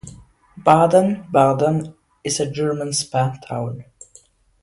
Baden-Baden is a German spa town.